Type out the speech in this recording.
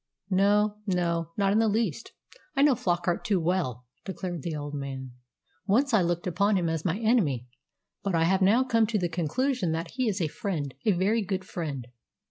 "No, no. Not in the least. I know Flockart too well," declared the old man. "Once I looked upon him as my enemy, but I have now come to the conclusion that he is a friend a very good friend."